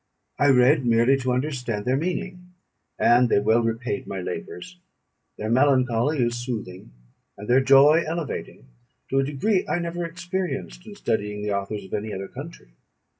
I read merely to understand their meaning, and they well repaid my labours. Their melancholy is soothing, and their joy elevating, to a degree I never experienced in studying the authors of any other country.